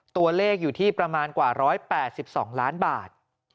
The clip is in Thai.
ตัวเลขอยู่ที่ประมาณกว่า๑๘๒ล้านบาท